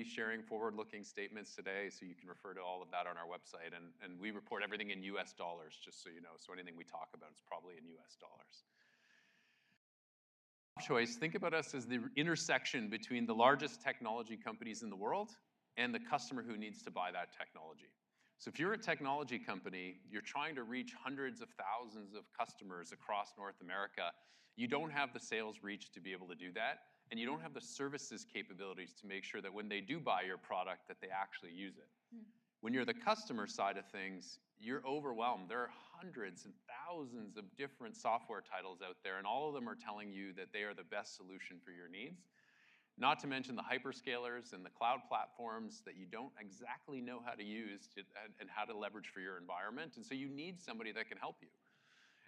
We'll be sharing forward-looking statements today, so you can refer to all of that on our website. We report everything in U.S. dollars, just so you know. Anything we talk about is probably in U.S. dollars. Softchoice, think about us as the intersection between the largest technology companies in the world and the customer who needs to buy that technology. So if you're a technology company, you're trying to reach hundreds of thousands of customers across North America. You don't have the sales reach to be able to do that, and you don't have the services capabilities to make sure that when they do buy your product, that they actually use it. When you're the customer side of things, you're overwhelmed. There are hundreds and thousands of different software titles out there, and all of them are telling you that they are the best solution for your needs. Not to mention the hyperscalers and the cloud platforms that you don't exactly know how to use and how to leverage for your environment, and so you need somebody that can help you.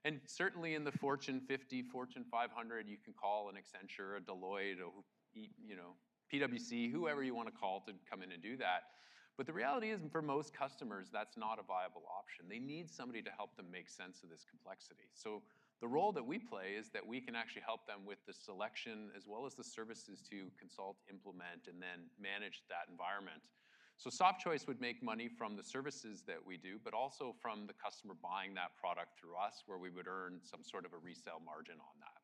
And certainly, in the Fortune 50, Fortune 500, you can call an Accenture, a Deloitte, or who, you know, PwC, whoever you want to call to come in and do that. But the reality is, for most customers, that's not a viable option. They need somebody to help them make sense of this complexity. So the role that we play is that we can actually help them with the selection as well as the services to consult, implement, and then manage that environment. So Softchoice would make money from the services that we do, but also from the customer buying that product through us, where we would earn some sort of a resale margin on that.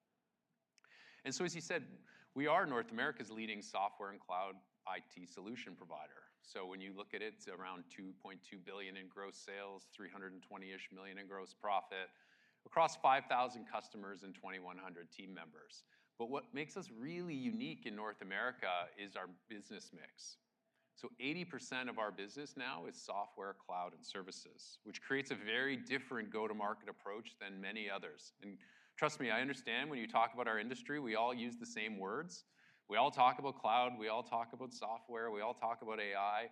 And so, as you said, we are North America's leading software and cloud IT solution provider. So when you look at it, it's around $2.2 billion in gross sales, $320-ish million in gross profit, across 5,000 customers and 2,100 team members. But what makes us really unique in North America is our business mix. So 80% of our business now is software, cloud, and services, which creates a very different go-to-market approach than many others. And trust me, I understand when you talk about our industry, we all use the same words. We all talk about cloud, we all talk about software, we all talk about AI.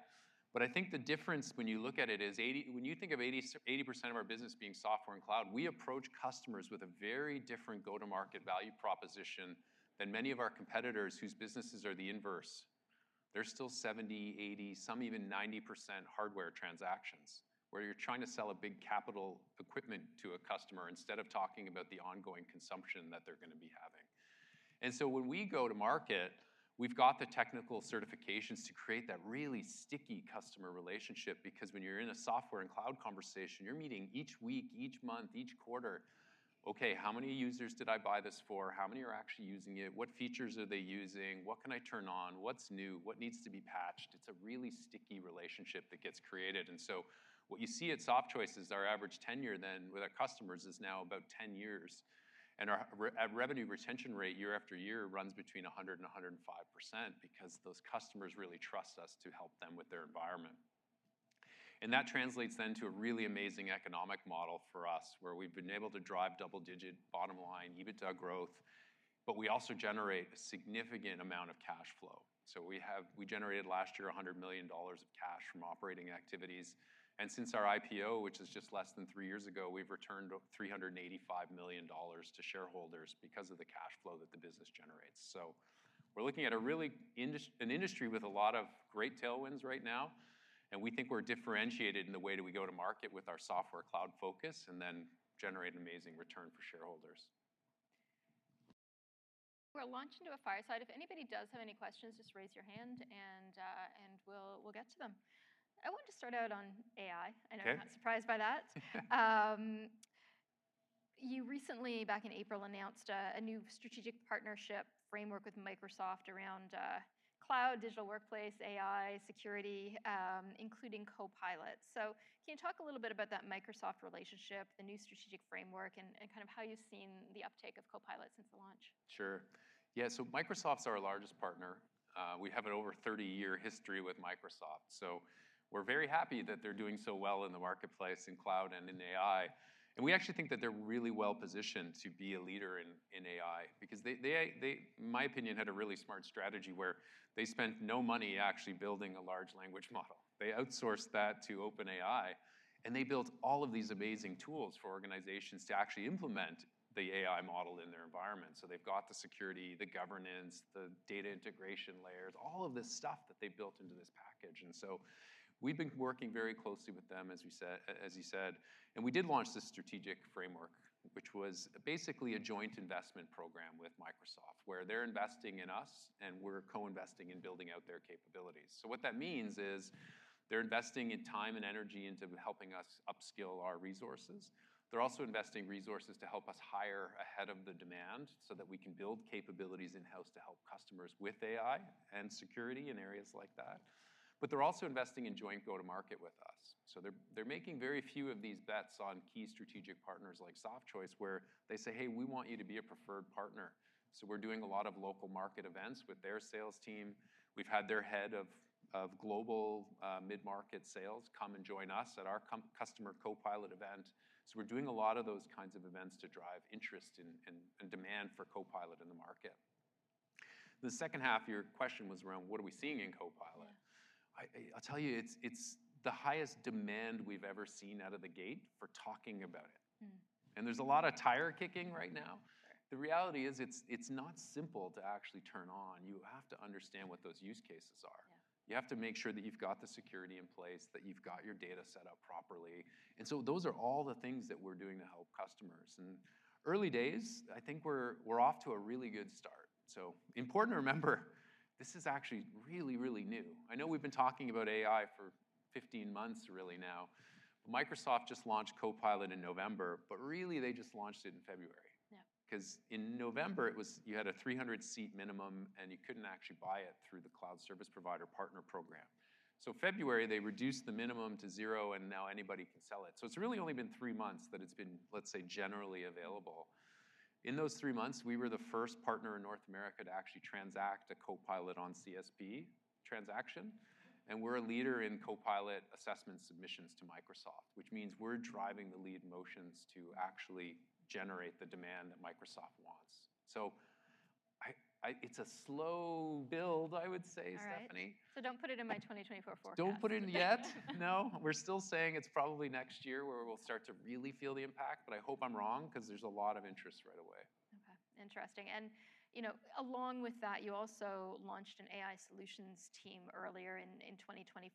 But I think the difference when you look at it is 80%-- when you think of 80%, 80% of our business being software and cloud, we approach customers with a very different go-to-market value proposition than many of our competitors whose businesses are the inverse. They're still 70%, 80%, some even 90% hardware transactions, where you're trying to sell a big capital equipment to a customer instead of talking about the ongoing consumption that they're gonna be having. And so when we go to market, we've got the technical certifications to create that really sticky customer relationship, because when you're in a software and cloud conversation, you're meeting each week, each month, each quarter. Okay, how many users did I buy this for? How many are actually using it? What features are they using? What can I turn on? What's new? What needs to be patched?" It's a really sticky relationship that gets created. And so what you see at Softchoice is our average tenure then, with our customers, is now about 10 years. And our revenue retention rate, year after year, runs between 100% and 105% because those customers really trust us to help them with their environment. And that translates then to a really amazing economic model for us, where we've been able to drive double-digit bottom line EBITDA growth, but we also generate a significant amount of cash flow. So we generated last year $100 million of cash from operating activities, and since our IPO, which is just less than three years ago, we've returned $385 million to shareholders because of the cash flow that the business generates. So we're looking at a really an industry with a lot of great tailwinds right now, and we think we're differentiated in the way that we go to market with our software cloud focus and then generate an amazing return for shareholders. We'll launch into a fireside. If anybody does have any questions, just raise your hand and we'll get to them. I want to start out on AI. I know you're not surprised by that. You recently, back in April, announced a new strategic partnership framework with Microsoft around cloud, digital workplace, AI, security, including Copilot. So can you talk a little bit about that Microsoft relationship, the new strategic framework, and kind of how you've seen the uptake of Copilot since the launch? Sure. Yeah, so Microsoft's our largest partner. We have an over 30-year history with Microsoft, so we're very happy that they're doing so well in the marketplace, in cloud and in AI. And we actually think that they're really well-positioned to be a leader in AI because they, in my opinion, had a really smart strategy where they spent no money actually building a large language model. They outsourced that to OpenAI, and they built all of these amazing tools for organizations to actually implement the AI model in their environment. So they've got the security, the governance, the data integration layers, all of this stuff that they built into this package. And so we've been working very closely with them, as we said, as you said, and we did launch this strategic framework, which was basically a joint investment program with Microsoft, where they're investing in us, and we're co-investing in building out their capabilities. So what that means is they're investing in time and energy into helping us upskill our resources. They're also investing resources to help us hire ahead of the demand so that we can build capabilities in-house to help customers with AI and security in areas like that. But they're also investing in joint go-to-market with us. So they're making very few of these bets on key strategic partners like Softchoice, where they say: "Hey, we want you to be a preferred partner." So we're doing a lot of local market events with their sales team. We've had their head of global mid-market sales come and join us at our customer Copilot event. So we're doing a lot of those kinds of events to drive interest and demand for Copilot in the market. The second half of your question was around: What are we seeing in Copilot? I'll tell you, it's the highest demand we've ever seen out of the gate for talking about it. There's a lot of tire kicking right now. The reality is, it's not simple to actually turn on. You have to understand what those use cases are. You have to make sure that you've got the security in place, that you've got your data set up properly. And so those are all the things that we're doing to help customers. And early days, I think we're off to a really good start. So important to remember. This is actually really, really new. I know we've been talking about AI for 15 months really now. Microsoft just launched Copilot in November, but really, they just launched it in February. Yeah. 'Cause in November, it was, you had a 300-seat minimum, and you couldn't actually buy it through the cloud service provider partner program. So February, they reduced the minimum to zero, and now anybody can sell it. So it's really only been three months that it's been, let's say, generally available. In those three months, we were the first partner in North America to actually transact a Copilot on CSP transaction, and we're a leader in Copilot assessment submissions to Microsoft, which means we're driving the lead motions to actually generate the demand that Microsoft wants. So I, I—it's a slow build, I would say, Stephanie. All right. Don't put it in my 2024 forecast. Don't put it in yet. No. We're still saying it's probably next year where we'll start to really feel the impact, but I hope I'm wrong 'cause there's a lot of interest right away. Okay, interesting. You know, along with that, you also launched an AI solutions team earlier in 2024.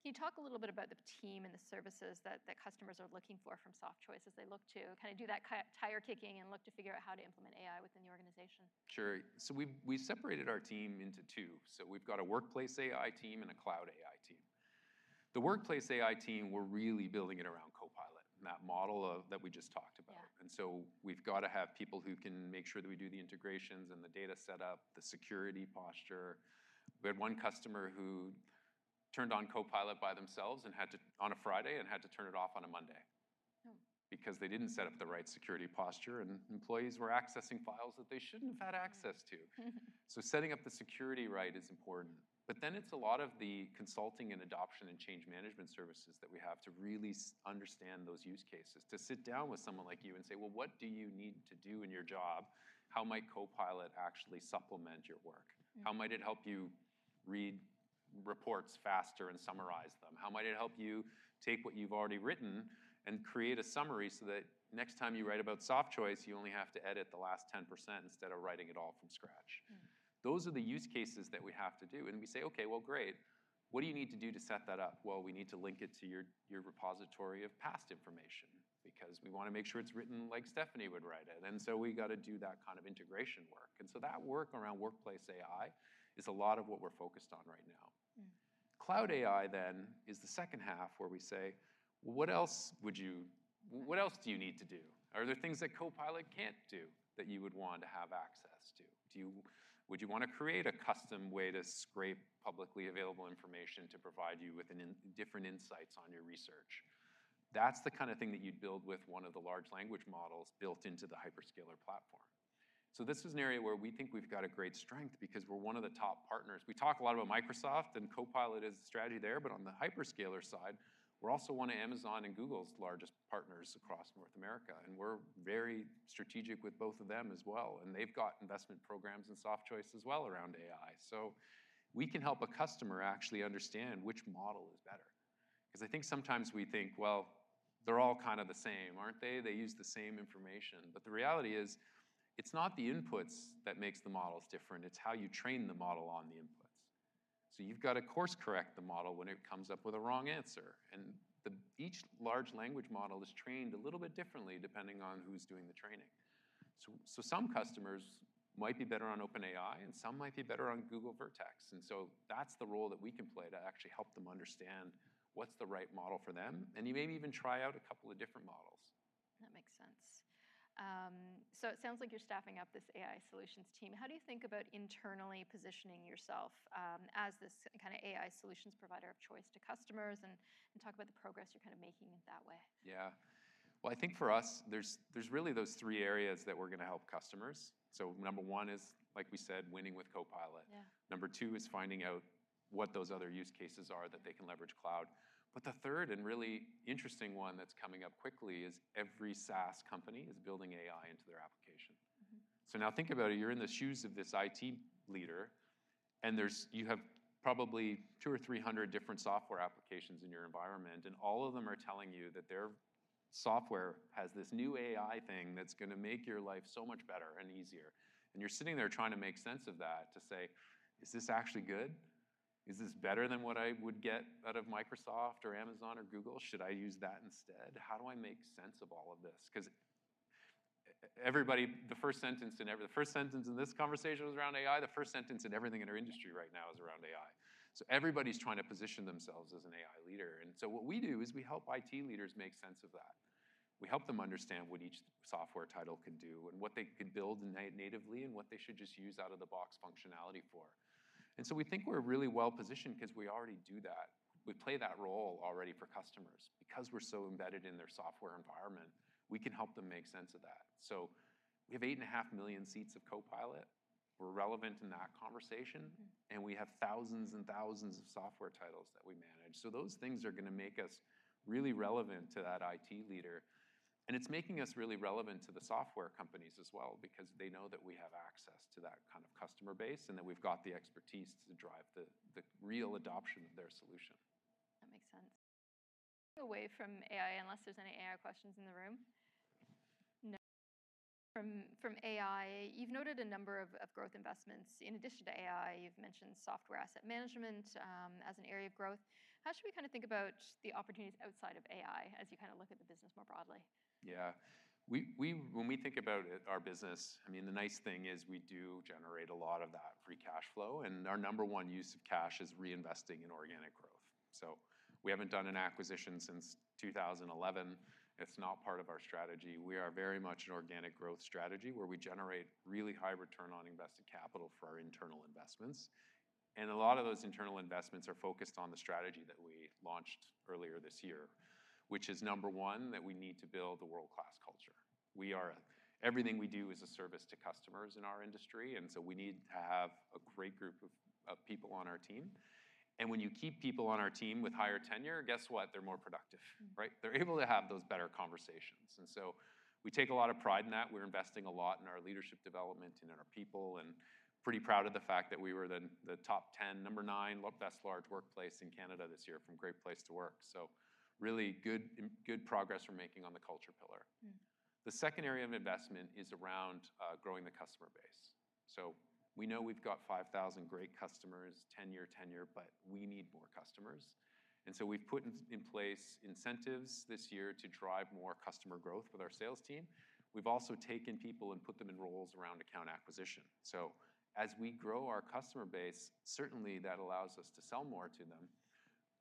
Can you talk a little bit about the team and the services that customers are looking for from Softchoice as they look to kind of do that kick-tire kicking and look to figure out how to implement AI within the organization? Sure. So we separated our team into two. So we've got a workplace AI team and a cloud AI team. The workplace AI team, we're really building it around Copilot, and that model that we just talked about. Yeah. So we've got to have people who can make sure that we do the integrations and the data set up, the security posture. We had one customer who turned on Copilot by themselves and had to, on a Friday, and had to turn it off on a Monday. Because they didn't set up the right security posture, and employees were accessing files that they shouldn't have had access to. So setting up the security right is important. But then it's a lot of the consulting and adoption and change management services that we have to really understand those use cases, to sit down with someone like you and say: "Well, what do you need to do in your job? How might Copilot actually supplement your work? How might it help you read reports faster and summarize them? How might it help you take what you've already written and create a summary so that next time you write about Softchoice, you only have to edit the last 10% instead of writing it all from scratch? Those are the use cases that we have to do, and we say, "Okay, well, great. What do you need to do to set that up?" Well, we need to link it to your repository of past information because we want to make sure it's written like Stephanie would write it, and so we got to do that kind of integration work. And so that work around workplace AI is a lot of what we're focused on right now. Cloud AI then is the second half, where we say: What else do you need to do? Are there things that Copilot can't do that you would want to have access to? Would you want to create a custom way to scrape publicly available information to provide you with different insights on your research? That's the kind of thing that you'd build with one of the large language models built into the hyperscaler platform. So this is an area where we think we've got a great strength because we're one of the top partners. We talk a lot about Microsoft and Copilot as a strategy there, but on the hyperscaler side, we're also one of Amazon and Google's largest partners across North America, and we're very strategic with both of them as well, and they've got investment programs and Softchoice as well around AI. So we can help a customer actually understand which model is better, 'cause I think sometimes we think, well, they're all kind of the same, aren't they? They use the same information. But the reality is, it's not the inputs that makes the models different. It's how you train the model on the inputs. So you've got to course-correct the model when it comes up with a wrong answer, and each large language model is trained a little bit differently, depending on who's doing the training. So, some customers might be better on OpenAI, and some might be better on Google Vertex. And so that's the role that we can play to actually help them understand what's the right model for them, and you maybe even try out a couple of different models. That makes sense. So it sounds like you're staffing up this AI solutions team. How do you think about internally positioning yourself as this kind of AI solutions provider of choice to customers, and talk about the progress you're kind of making it that way? Yeah. Well, I think for us, there's really those three areas that we're gonna help customers. So number one is, like we said, winning with Copilot. Number two is finding out what those other use cases are that they can leverage cloud. But the third and really interesting one that's coming up quickly is every SaaS company is building AI into their application. Now think about it. You're in the shoes of this IT leader, and there's you have probably 200 or 300 different software applications in your environment, and all of them are telling you that their software has this new AI thing that's gonna make your life so much better and easier. And you're sitting there trying to make sense of that, to say: Is this actually good? Is this better than what I would get out of Microsoft or Amazon or Google? Should I use that instead? How do I make sense of all of this? 'Cause everybody, the first sentence in this conversation was around AI. The first sentence in everything in our industry right now is around AI. So everybody's trying to position themselves as an AI leader, and so what we do is we help IT leaders make sense of that. We help them understand what each software title can do and what they could build natively, and what they should just use out-of-the-box functionality for. And so we think we're really well-positioned because we already do that. We play that role already for customers. Because we're so embedded in their software environment, we can help them make sense of that. So we have 8.5 million seats of Copilot, we're relevant in that conversation. We have thousands and thousands of software titles that we manage. So those things are gonna make us really relevant to that IT leader, and it's making us really relevant to the software companies as well because they know that we have access to that kind of customer base and that we've got the expertise to drive the real adoption of their solution. That makes sense. Away from AI, unless there's any AI questions in the room? No. From AI, you've noted a number of growth investments. In addition to AI, you've mentioned software asset management as an area of growth. How should we kind of think about the opportunities outside of AI as you kind of look at the business more broadly? Yeah. We, when we think about it, our business, I mean, the nice thing is we do generate a lot of that free cash flow, and our number one use of cash is reinvesting in organic growth. So we haven't done an acquisition since 2011. It's not part of our strategy. We are very much an organic growth strategy, where we generate really high return on invested capital for our internal investments. And a lot of those internal investments are focused on the strategy that we launched earlier this year, which is, number one, that we need to build a world-class culture. Everything we do is a service to customers in our industry, and so we need to have a great group of people on our team. And when you keep people on our team with higher tenure, guess what? They're more productive, right? They're able to have those better conversations, and so we take a lot of pride in that. We're investing a lot in our leadership development and in our people, and pretty proud of the fact that we were the, the top 10, number nine, Best Large Workplace in Canada this year from Great Place to Work. So really good, good progress we're making on the culture pillar. The second area of investment is around growing the customer base. So we know we've got 5,000 great customers, 10-year tenure, but we need more customers, and so we've put in place incentives this year to drive more customer growth with our sales team. We've also taken people and put them in roles around account acquisition. So as we grow our customer base, certainly that allows us to sell more to them.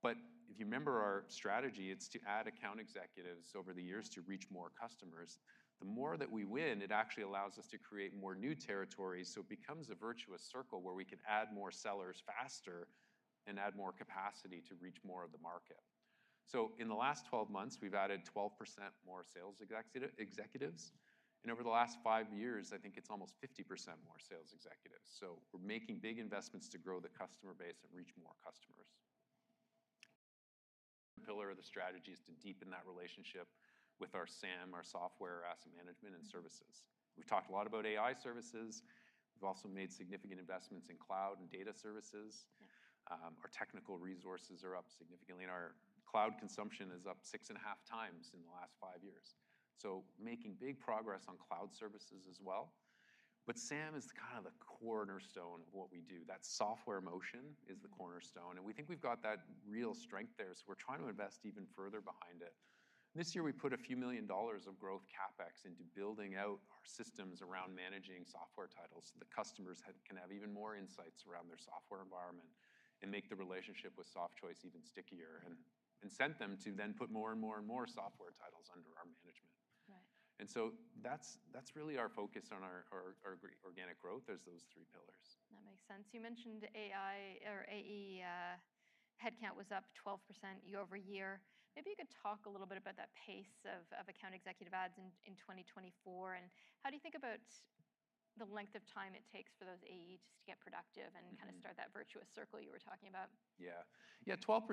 But if you remember our strategy, it's to add account executives over the years to reach more customers. The more that we win, it actually allows us to create more new territories, so it becomes a virtuous circle where we can add more sellers faster and add more capacity to reach more of the market. So in the last 12 months, we've added 12% more sales executives, and over the last five years, I think it's almost 50% more sales executives. So we're making big investments to grow the customer base and reach more customers. Pillar of the strategy is to deepen that relationship with our SAM, our software, asset management, and services. We've talked a lot about AI services. We've also made significant investments in cloud and data services. Our technical resources are up significantly, and our cloud consumption is up 6.5x in the last five years. So making big progress on cloud services as well. But SAM is kind of the cornerstone of what we do. That software motion is the cornerstone, and we think we've got that real strength there, so we're trying to invest even further behind it. This year, we put a few million dollars of growth CapEx into building out our systems around managing software titles, so the customers can have even more insights around their software environment and make the relationship with Softchoice even stickier and incent them to then put more and more and more software titles under our management. And so that's really our focus on our organic growth, is those three pillars. That makes sense. You mentioned AI or AE headcount was up 12% year-over-year. Maybe you could talk a little bit about that pace of account executive adds in 2024. And how do you think about the length of time it takes for those AEs to get productive and kind of start that virtuous circle you were talking about? Yeah. Yeah, 12%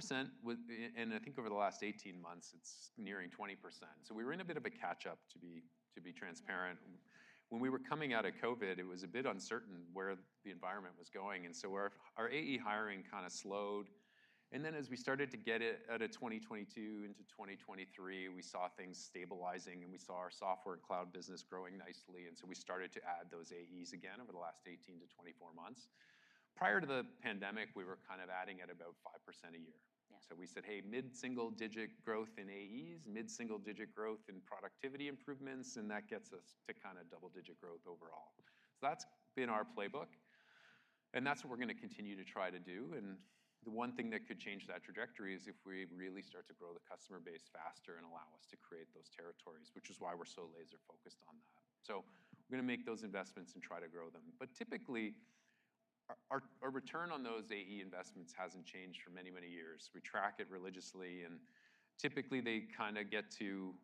with and I think over the last 18 months, it's nearing 20%. So we were in a bit of a catch-up, to be, to be transparent. When we were coming out of COVID, it was a bit uncertain where the environment was going, and so our AE hiring kind of slowed. And then, as we started to get it out of 2022 into 2023, we saw things stabilizing, and we saw our software and cloud business growing nicely, and so we started to add those AEs again over the last 18-24 months. Prior to the pandemic, we were kind of adding at about 5% a year. So we said, hey, mid-single-digit growth in AEs, mid-single-digit growth in productivity improvements, and that gets us to kind of double-digit growth overall. So that's been our playbook, and that's what we're going to continue to try to do. And the one thing that could change that trajectory is if we really start to grow the customer base faster and allow us to create those territories, which is why we're so laser-focused on that. So we're gonna make those investments and try to grow them. But typically, our return on those AE investments hasn't changed for many, many years. We track it religiously, and typically, they kind of get to,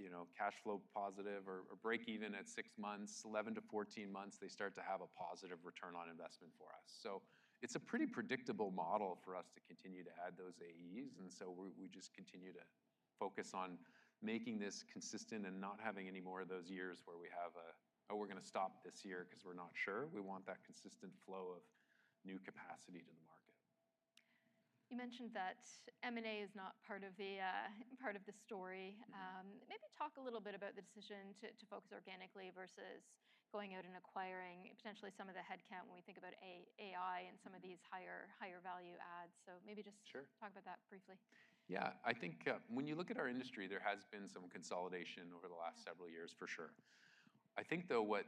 you know, cash flow positive or breakeven at six months. 11-14 months, they start to have a positive return on investment for us. So it's a pretty predictable model for us to continue to add those AEs, and so we, we just continue to focus on making this consistent and not having any more of those years where we have a, "Oh, we're gonna stop this year 'cause we're not sure." We want that consistent flow of new capacity to the market. You mentioned that M&A is not part of the story. Maybe talk a little bit about the decision to focus organically versus going out and acquiring potentially some of the headcount when we think about AI and some of these higher, higher value adds. So maybe just talk about that briefly. Yeah. I think, when you look at our industry, there has been some consolidation over the last several years, for sure. I think, though, what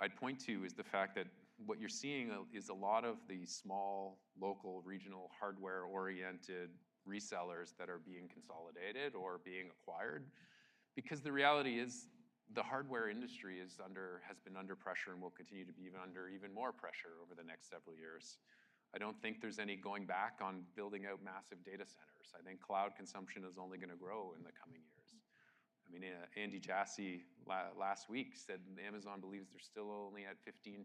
I'd point to is the fact that what you're seeing, is a lot of the small, local, regional, hardware-oriented resellers that are being consolidated or being acquired. Because the reality is: the hardware industry is under, has been under pressure and will continue to be even under even more pressure over the next several years. I don't think there's any going back on building out massive data centers. I think cloud consumption is only gonna grow in the coming years. I mean, Andy Jassy last week said Amazon believes they're still only at 15%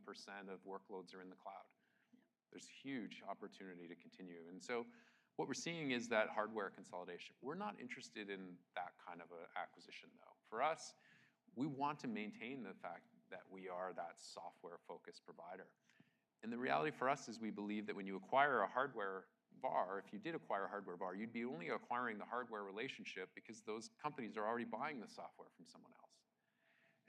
of workloads are in the cloud. There's huge opportunity to continue. So what we're seeing is that hardware consolidation. We're not interested in that kind of an acquisition, though. For us, we want to maintain the fact that we are that software-focused provider. The reality for us is, we believe that when you acquire a hardware VAR, if you did acquire a hardware VAR, you'd be only acquiring the hardware relationship because those companies are already buying the software from someone else.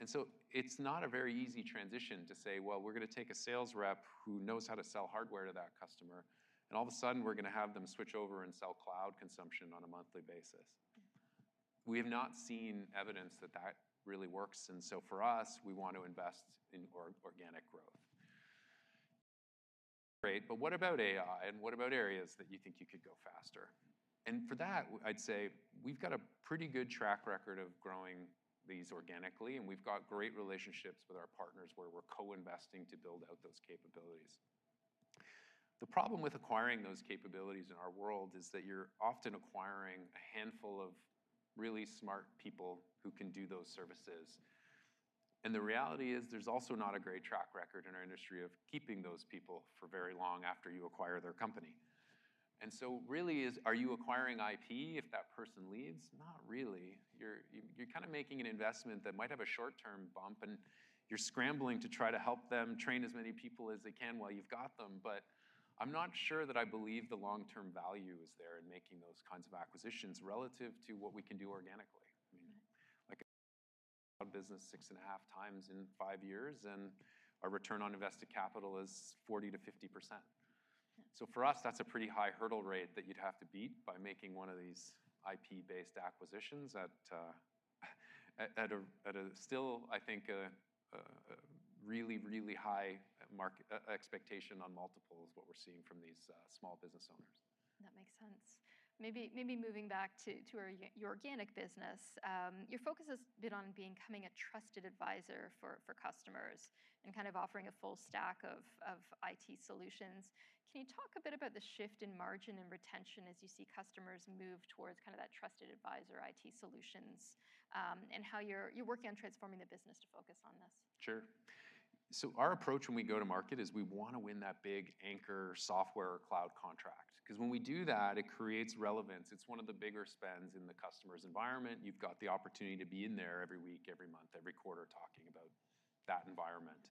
So it's not a very easy transition to say, "Well, we're gonna take a sales rep who knows how to sell hardware to that customer, and all of a sudden, we're gonna have them switch over and sell cloud consumption on a monthly basis. We have not seen evidence that that really works, and so for us, we want to invest in organic growth. Great, but what about AI, and what about areas that you think you could go faster? And for that, I'd say we've got a pretty good track record of growing these organically, and we've got great relationships with our partners, where we're co-investing to build out those capabilities. The problem with acquiring those capabilities in our world is that you're often acquiring a handful of really smart people who can do those services. And the reality is, there's also not a great track record in our industry of keeping those people for very long after you acquire their company. And so really is, are you acquiring IP if that person leaves? Not really. You're kind of making an investment that might have a short-term bump, and you're scrambling to try to help them train as many people as they can while you've got them. But I'm not sure that I believe the long-term value is there in making those kinds of acquisitions relative to what we can do organically. I mean, like, our business 6.5x in five years, and our return on invested capital is 40%-50%. So for us, that's a pretty high hurdle rate that you'd have to beat by making one of these IP-based acquisitions at a still, I think, a really, really high mark, expectation on multiple is what we're seeing from these small business owners. That makes sense. Maybe moving back to your organic business. Your focus has been on becoming a trusted advisor for customers and kind of offering a full stack of IT solutions. Can you talk a bit about the shift in margin and retention as you see customers move towards kind of that trusted advisor, IT solutions, and how you're working on transforming the business to focus on this? Sure. So our approach when we go to market is we want to win that big anchor software cloud contract, 'cause when we do that, it creates relevance. It's one of the bigger spends in the customer's environment. You've got the opportunity to be in there every week, every month, every quarter, talking about that environment.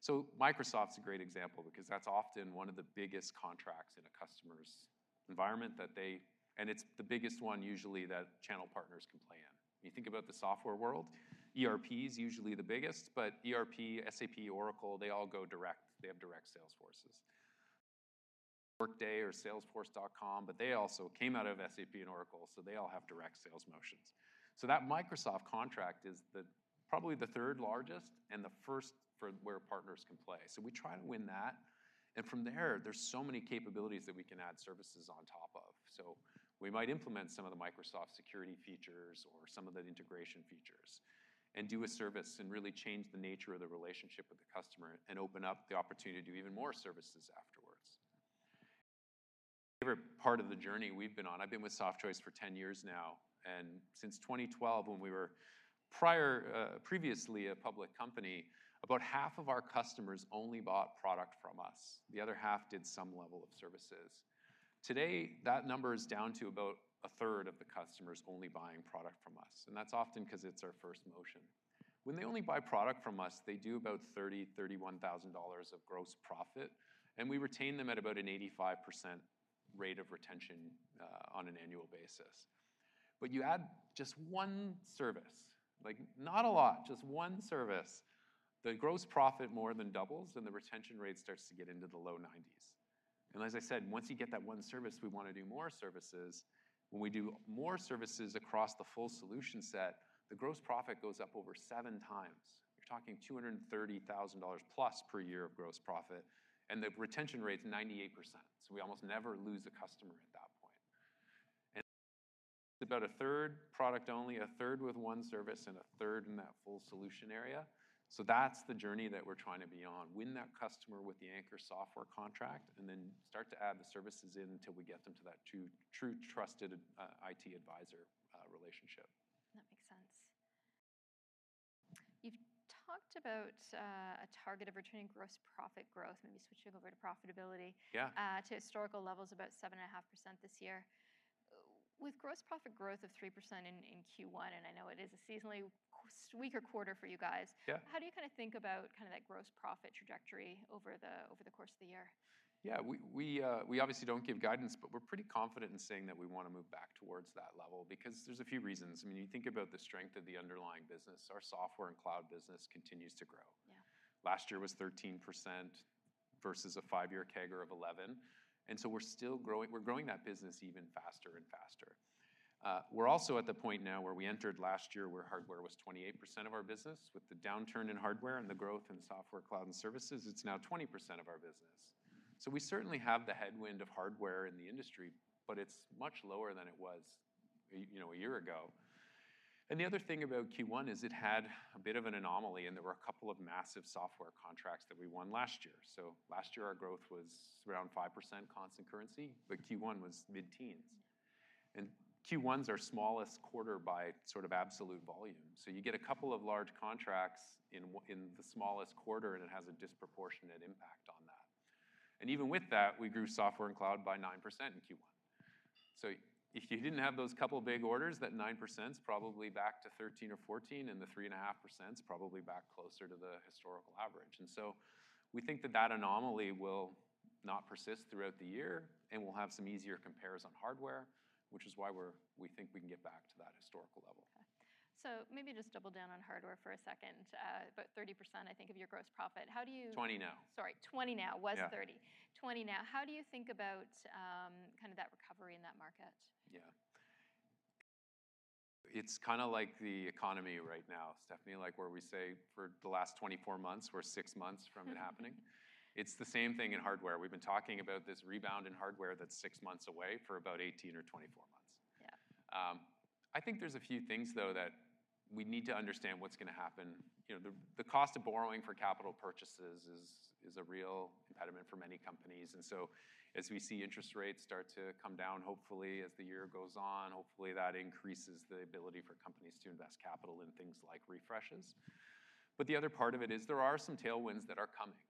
So Microsoft's a great example because that's often one of the biggest contracts in a customer's environment that they, and it's the biggest one usually, that channel partners can play in. When you think about the software world, ERP is usually the biggest, but ERP, SAP, Oracle, they all go direct. They have direct sales forces. Workday or Salesforce.com, but they also came out of SAP and Oracle, so they all have direct sales motions. So that Microsoft contract is the, probably the third largest and the first for where partners can play. So we try to win that, and from there, there's so many capabilities that we can add services on top of. So we might implement some of the Microsoft security features or some of the integration features and do a service, and really change the nature of the relationship with the customer and open up the opportunity to do even more services afterwards. Favorite part of the journey we've been on. I've been with Softchoice for 10 years now, and since 2012, when we were prior, previously a public company, about half of our customers only bought product from us. The other half did some level of services. Today, that number is down to about a third of the customers only buying product from us, and that's often 'cause it's our first motion. When they only buy product from us, they do about $30,000-$31,000 of gross profit, and we retain them at about an 85% rate of retention, on an annual basis. But you add just one service, like, not a lot, just one service, the gross profit more than doubles, and the retention rate starts to get into the low 90s. And as I said, once you get that one service, we want to do more services. When we do more services across the full solution set, the gross profit goes up over 7x. You're talking $230,000+ per year of gross profit, and the retention rate's 98%. So we almost never lose a customer at that point. About a third product only, a third with one service, and a third in that full solution area. So that's the journey that we're trying to be on: win that customer with the anchor software contract, and then start to add the services in until we get them to that true, true, trusted, IT advisor, relationship. That makes sense. You've talked about, a target of returning gross profit growth, maybe switching over to profitability to historical levels, about 7.5% this year. With gross profit growth of 3% in Q1, and I know it is a seasonally weaker quarter for you guys. How do you kind of think about kind of that gross profit trajectory over the course of the year? Yeah, we obviously don't give guidance, but we're pretty confident in saying that we want to move back towards that level because there's a few reasons. I mean, you think about the strength of the underlying business. Our software and cloud business continues to grow. Last year was 13% versus a five-year CAGR of 11, and so we're still growing, we're growing that business even faster and faster. We're also at the point now where we entered last year, where hardware was 28% of our business. With the downturn in hardware and the growth in software, cloud, and services, it's now 20% of our business. So we certainly have the headwind of hardware in the industry, but it's much lower than it was, you know, a year ago. And the other thing about Q1 is it had a bit of an anomaly, and there were a couple of massive software contracts that we won last year. So last year, our growth was around 5% constant currency, but Q1 was mid-teens. Q1's our smallest quarter by sort of absolute volume. So you get a couple of large contracts in the smallest quarter, and it has a disproportionate impact on that. And even with that, we grew software and cloud by 9% in Q1. So if you didn't have those couple of big orders, that 9%'s probably back to 13 or 14, and the 3.5%'s probably back closer to the historical average. And so we think that that anomaly will not persist throughout the year, and we'll have some easier compares on hardware, which is why we think we can get back to that historical level. Okay. So maybe just double down on hardware for a second. About 30%, I think, of your gross profit. How do you- 20% now. Sorry, 20% now. Yeah. Was 30%. 20% now. How do you think about, kind of that recovery in that market? Yeah, It's kinda like the economy right now, Stephanie, like where we say, for the last 24 months or six months from it happening. It's the same thing in hardware. We've been talking about this rebound in hardware that's six months away for about 18 or 24 months. I think there's a few things, though, that we need to understand what's gonna happen. You know, the cost of borrowing for capital purchases is a real impediment for many companies, and so as we see interest rates start to come down, hopefully, as the year goes on, hopefully, that increases the ability for companies to invest capital in things like refreshes. But the other part of it is there are some tailwinds that are coming,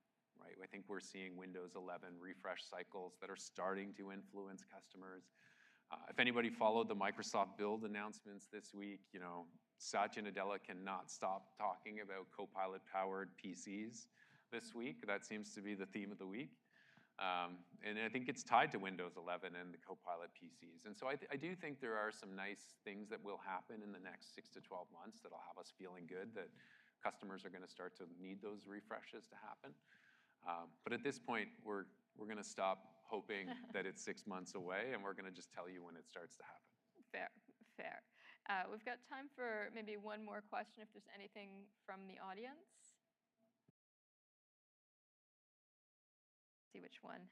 right? I think we're seeing Windows 11 refresh cycles that are starting to influence customers. If anybody followed the Microsoft Build announcements this week, you know, Satya Nadella cannot stop talking about Copilot-powered PCs this week. That seems to be the theme of the week. And I think it's tied to Windows 11 and the Copilot PCs. I do think there are some nice things that will happen in the next six to 12 months that'll have us feeling good, that customers are gonna start to need those refreshes to happen. But at this point, we're gonna stop hoping that it's six months away, and we're gonna just tell you when it starts to happen. Fair. Fair. We've got time for maybe one more question, if there's anything from the audience. See which one.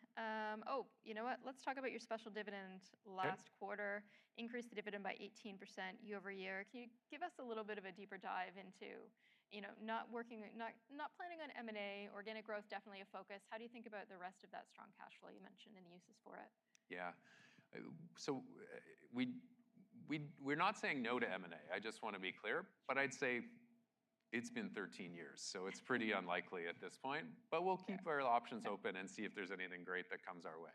Oh, you know what? Let's talk about your special dividend last quarter, increased the dividend by 18% year-over-year. Can you give us a little bit of a deeper dive into, you know, not working, not planning on M&A, organic growth, definitely a focus. How do you think about the rest of that strong cash flow you mentioned and the uses for it? Yeah. So, we're not saying no to M&A, I just wanna be clear, but I'd say it's been 13 years, so it's pretty unlikely at this point. But we'll keep our options open and see if there's anything great that comes our way.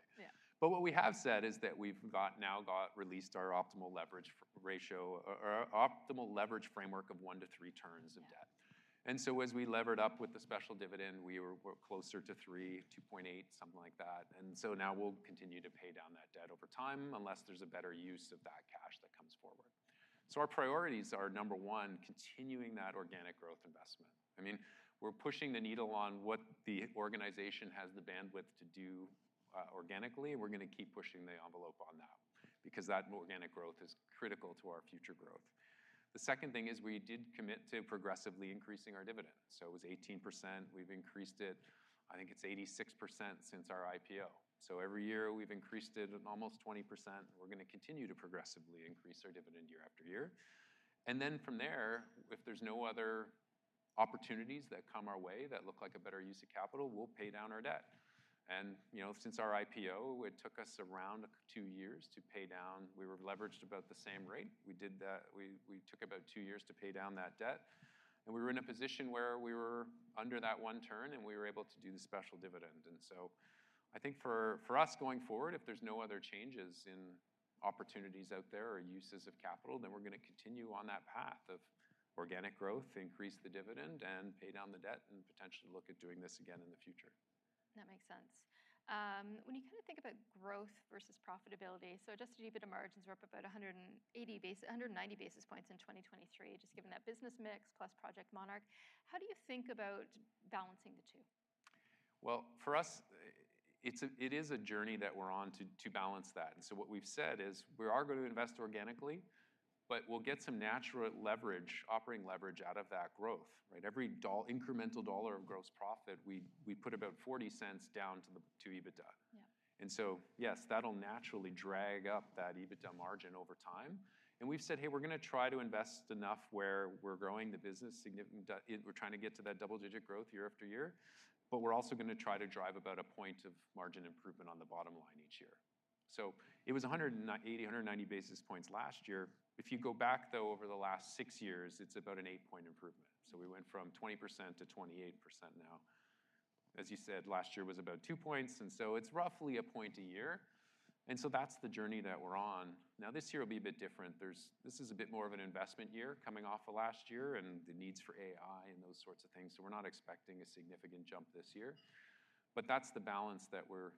But what we have said is that we've now released our optimal leverage framework of one to three turns of debt. As we levered up with the special dividend, we were, we're closer to three, 2.8, something like that. Now we'll continue to pay down that debt over time, unless there's a better use of that cash that comes forward. Our priorities are, number one, continuing that organic growth investment. I mean, we're pushing the needle on what the organization has the bandwidth to do, organically. We're gonna keep pushing the envelope on that, because that organic growth is critical to our future growth. The second thing is, we did commit to progressively increasing our dividend, so it was 18%. We've increased it, I think it's 86% since our IPO. So every year, we've increased it almost 20%. We're gonna continue to progressively increase our dividend year after year. And then from there, if there's no other opportunities that come our way that look like a better use of capital, we'll pay down our debt. And, you know, since our IPO, it took us around two years to pay down. We were leveraged about the same rate. We took about two years to pay down that debt, and we were in a position where we were under that one turn, and we were able to do the special dividend. And so I think for us, going forward, if there's no other changes in opportunities out there or uses of capital, then we're gonna continue on that path of organic growth, increase the dividend, and pay down the debt, and potentially look at doing this again in the future. That makes sense. When you kinda think about growth versus profitability, so just EBITDA margins were up about 180 basis, 190 basis points in 2023, just given that business mix plus Project Monarch, how do you think about balancing the two? Well, for us, it's a journey that we're on to balance that. And so what we've said is we are gonna invest organically, but we'll get some natural leverage, operating leverage out of that growth, right? Every incremental dollar of gross profit, we put about $0.40 down to the EBITDA. And so, yes, that'll naturally drag up that EBITDA margin over time. And we've said, "Hey, we're gonna try to invest enough where we're growing the business, we're trying to get to that double-digit growth year after year. But we're also gonna try to drive about a point of margin improvement on the bottom line each year." So it was 10980, 190 basis points last year. If you go back, though, over the last six years, it's about an 8-point improvement. So we went from 20%-28% now. As you said, last year was about 2 points, and so it's roughly a point a year, and so that's the journey that we're on. Now, this year will be a bit different. This is a bit more of an investment year, coming off of last year and the needs for AI and those sorts of things, so we're not expecting a significant jump this year. But that's the balance that we're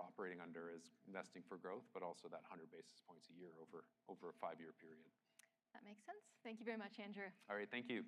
operating under, is investing for growth, but also that 100 basis points a year over a five-year period. That makes sense. Thank you very much, Andrew. All right, thank you.